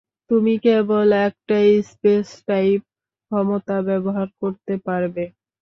তুমি কেবল একটাই স্পেস-টাইপ ক্ষমতা ব্যবহার করতে পারবে।